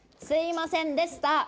すいませんでした。